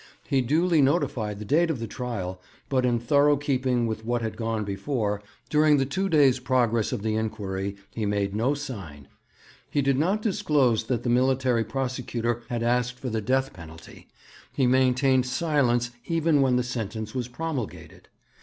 He duly notified the date of the trial; but in thorough keeping with what had gone before, during the two days' progress of the inquiry he made no sign. He did not disclose that the Military Prosecutor had asked for the death penalty; he maintained silence even when the sentence was promulgated.